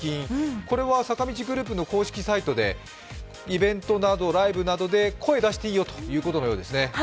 これは坂道グループの公式サイトで、イベントやライブなどで声を出していいよということのようですね。